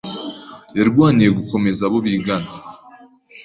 Yarwaniye gukomeza abo bigana.